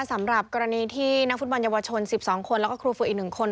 สำหรับกรณีที่นักฟุตบอลเยาวชน๑๒คนแล้วก็ครูฝึกอีก๑คน